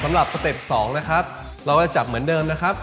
สเต็ป๒นะครับเราจะจับเหมือนเดิมนะครับ